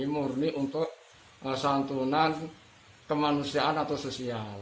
murni untuk santunan kemanusiaan atau sosial